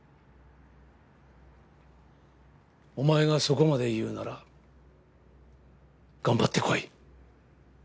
お前がそこまで言うなら頑張ってこい。